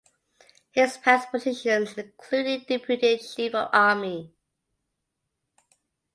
His past positions including Deputy Chief of Army.